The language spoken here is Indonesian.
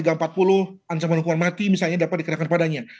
ancaman hukuman mati misalnya dapat dikenakan padanya